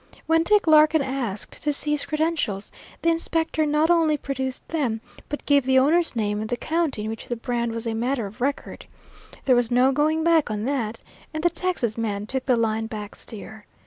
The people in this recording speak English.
When Dick Larkin asked to see his credentials, the inspector not only produced them, but gave the owner's name and the county in which the brand was a matter of record. There was no going back on that, and the Texas man took the line back steer.